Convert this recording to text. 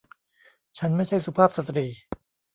ฉันไม่ใช่สุภาพสตรี